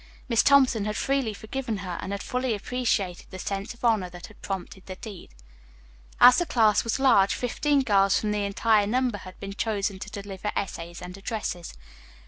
Miss Thompson had freely forgiven her and had fully appreciated the sense of honor that had prompted the deed. As the class was large, fifteen girls from the entire number had been chosen to deliver essays and addresses.